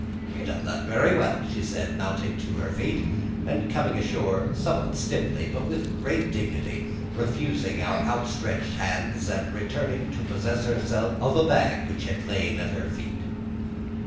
"You don that very well," she said, mounting to her feet, and coming ashore somewhat stiffly, but with great dignity, refusing our outstretched hands, and returning to possess herself of a bag which had lain at her feet.